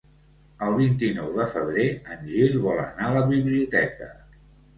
El vint-i-nou de febrer en Gil vol anar a la biblioteca.